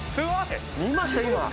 見ました今？